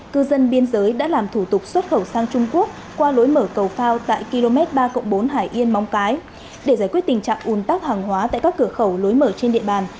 qua lối mở cầu phao tại km ba bốn hải yên móng cái để giải quyết tình trạng un tắc hàng hóa tại các cửa khẩu lối mở trên địa bàn